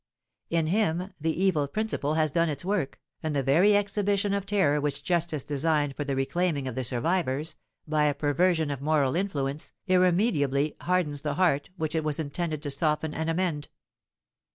In him the evil principle has done its work, and the very exhibition of terror which justice designed for the reclaiming of the survivors, by a perversion of moral influence, irremediably hardens the heart which it was intended to soften and amend.